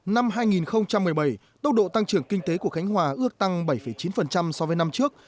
năm hai nghìn một mươi bảy tốc độ tăng trưởng kinh tế của khánh hòa ước tăng bảy chín so với năm trước